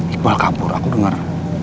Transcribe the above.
iqbal kabur aku dengar